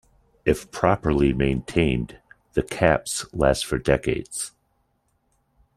If properly maintained, the caps last for decades.